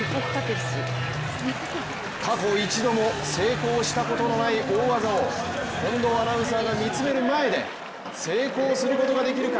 過去一度も成功したことのない大技を近藤アナウンサーが見つめる前で成功することができるか。